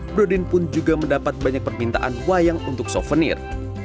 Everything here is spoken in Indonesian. brodin pun juga mendapat banyak permintaan wayang untuk souvenir